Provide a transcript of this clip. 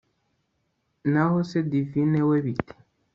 Naho se divine we bite